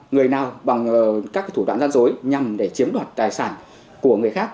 người nào bằng các thủ đoạn gian dối nhằm để chiếm đoạt tài sản của người khác